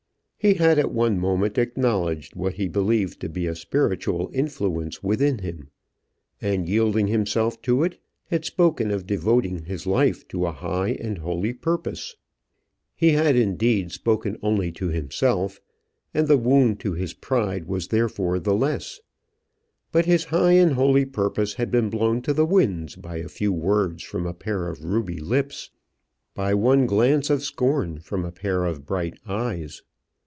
He had at one moment acknowledged what he believed to be a spiritual influence within him, and yielding himself to it, had spoken of devoting his life to a high and holy purpose. He had, indeed, spoken only to himself, and the wound to his pride was therefore the less. But his high and holy purpose had been blown to the winds by a few words from a pair of ruby lips, by one glance of scorn from a pair of bright eyes.